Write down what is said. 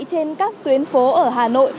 trên các tuyến phố ở hà nội